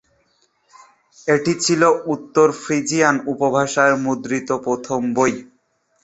এটি ছিল উত্তর ফ্রিজিয়ান উপভাষায় মুদ্রিত প্রথম বই।